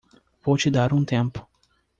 Vou te dar um tempo.